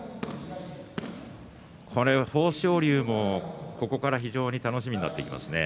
豊昇龍もここから非常に楽しみになってきますね